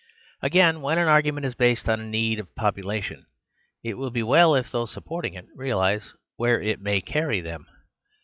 Again, when an argument is based on a need of population, it will be well if those supporting it realise where it may carry them.